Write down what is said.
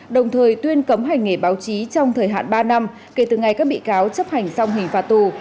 đồng thời tuyên cấm hành nghề báo chí trong thời hạn ba năm kể từ ngày các bị cáo chấp hành xong hình phạt tù